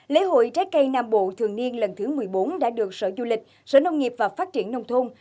lễ hội trái cây nam bộ thường niên lần thứ một mươi bốn đã được sở du lịch sở nông nghiệp và phát triển nông thôn